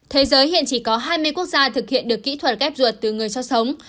thế giới hiện chỉ có hai mươi quốc gia thực hiện được kỹ thuật ghép ruột từ người cho sống